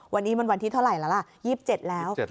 วันนี้มันวันที่เท่าไหร่แล้วล่ะ๒๗แล้ว